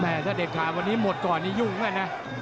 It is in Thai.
แม่จะเด็ดขาดวันนี้หมดก่อนยุ่งมากดูแน่